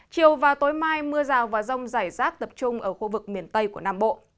chiều và tối mai mưa rào và rông rải rác tập trung ở khu vực miền tây của nam bộ